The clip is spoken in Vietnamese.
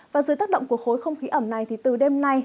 và dưới tác động của khối không khí ẩm này thì từ đêm nay